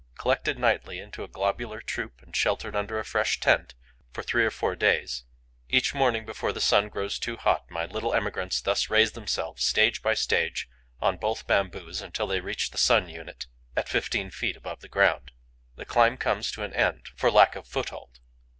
Collected nightly into a globular troop and sheltered under a fresh tent, for three or four days, each morning, before the sun grows too hot, my little emigrants thus raise themselves, stage by stage, on both bamboos, until they reach the sun unit, at fifteen feet above the ground. The climb comes to an end for lack of foothold.